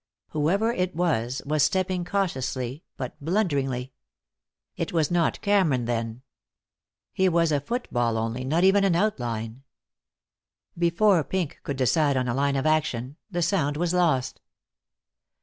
Whoever it was was stepping cautiously but blunderingly. It was not Cameron, then. He was a footfall only, not even an outline. Before Pink could decide on a line of action, the sound was lost.